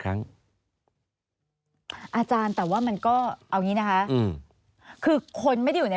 อาจารย์แต่ว่ามันก็เอางี้นะคะอืมคือคนไม่ได้อยู่ใน